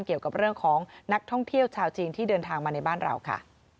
เกี่ยวกับเรื่องของนักท่องเที่ยวชาวจีนที่เดินทางมาในบ้านเราค่ะ